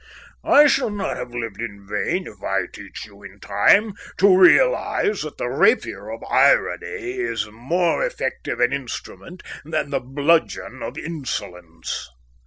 I shall not have lived in vain if I teach you in time to realize that the rapier of irony is more effective an instrument than the bludgeon of insolence."